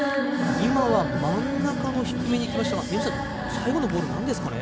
今は真ん中の低めにきましたが最後のボールはなんなんですかね。